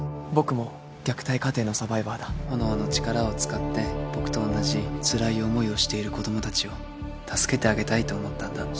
「僕も虐待家庭のサバイバーだ」「炎の力を使って僕と同じつらい思いをしている子供たちを助けてあげたいと思ったんだ」